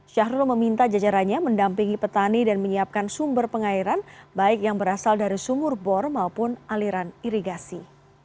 syahrul meminta jajarannya mendampingi petani dan menyiapkan sumber pengairan baik yang berasal dari sumur bor maupun aliran irigasi